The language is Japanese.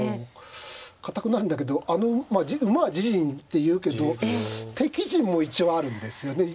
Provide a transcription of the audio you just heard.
堅くなるんだけど「馬は自陣に」っていうけど敵陣も一応あるんですよね。